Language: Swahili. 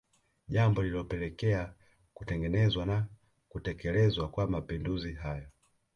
Jambo lilopelekea kutengenezwa na kutekelezwa kwa mapinduzi hayo